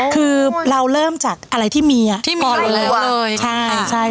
คือเราเริ่มจากอะไรที่มีที่มีก่อนแล้วเลย